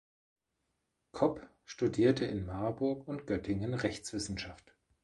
Kopp studierte in Marburg und Göttingen Rechtswissenschaft.